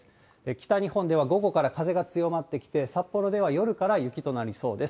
北日本では午後から風が強まってきて、札幌では夜から雪となりそうです。